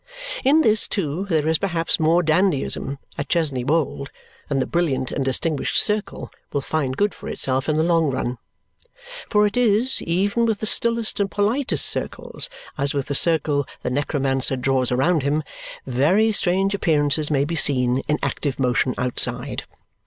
In this, too, there is perhaps more dandyism at Chesney Wold than the brilliant and distinguished circle will find good for itself in the long run. For it is, even with the stillest and politest circles, as with the circle the necromancer draws around him very strange appearances may be seen in active motion outside.